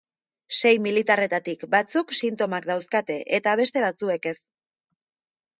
Sei militarretatik batzuk sintomak dauzkate eta beste batzuek ez.